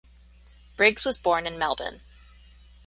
Briggs was born in Melbourne.